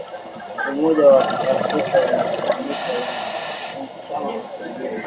Umoja wa Afrika umeisimamisha uanachama wa Sudan